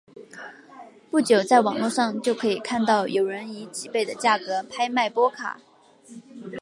不久在网络上就可以看到有人以几倍的价格拍卖波卡。